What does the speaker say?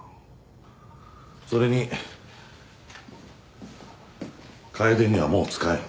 それに楓にはもう使えん。